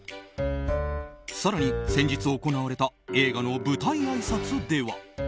更に、先日行われた映画の舞台あいさつでは。